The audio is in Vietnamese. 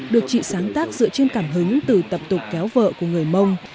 được chị sáng tác dựa trên cảm hứng từ tập tục kéo vợ của người mông